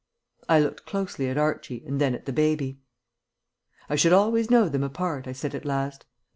I looked closely at Archie and then at the baby. "I should always know them apart," I said at last.